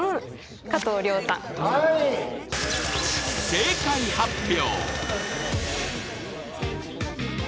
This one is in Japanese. ［正解発表］